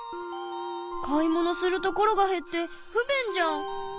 買い物する所が減って不便じゃん。